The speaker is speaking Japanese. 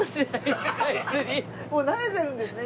もう慣れてるんですね。